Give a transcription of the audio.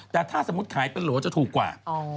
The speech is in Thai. แต่ถ้าสมมุติขายเป็นโหลจะถูกกว่า